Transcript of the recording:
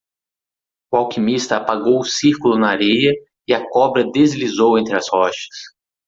O alquimista apagou o círculo na areia e a cobra deslizou entre as rochas.